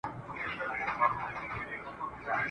زه به مي دا عمر په کچکول کي سپلنی کړمه ..